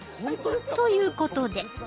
ということで。